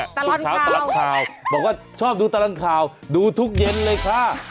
ทุกเช้าตลอดข่าวบอกว่าชอบดูตลอดข่าวดูทุกเย็นเลยค่ะ